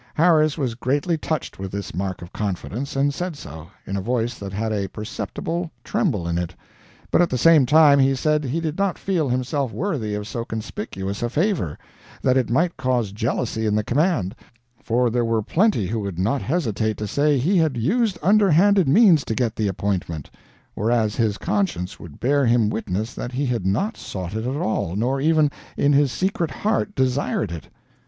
Harris was greatly touched with this mark of confidence, and said so, in a voice that had a perceptible tremble in it; but at the same time he said he did not feel himself worthy of so conspicuous a favor; that it might cause jealousy in the command, for there were plenty who would not hesitate to say he had used underhanded means to get the appointment, whereas his conscience would bear him witness that he had not sought it at all, nor even, in his secret heart, desired it.